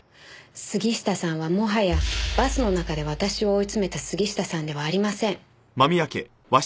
杉下さんはもはやバスの中で私を追いつめた杉下さんではありません。